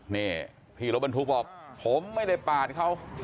นี่พี่รถบรรทุกบอกผมไม่ได้ปาดเขา